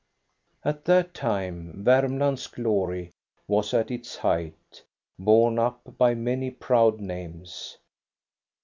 At that time Varmland's glory was at its height, borne up by many proud names.